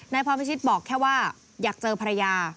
พรพิชิตบอกแค่ว่าอยากเจอภรรยา